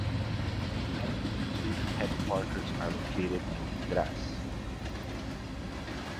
The administrative headquarters are located in Graz.